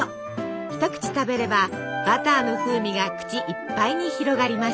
一口食べればバターの風味が口いっぱいに広がります。